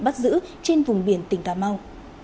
bắt giữ trên vùng biển tỉnh cà mau